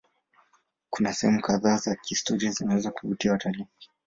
Kuna sehemu kadhaa za kihistoria zinazoweza kuvutia watalii.